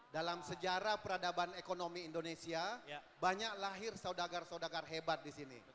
dalam sejarah peradaban ekonomi indonesia banyak lahir saudagar saudagar hebat di sini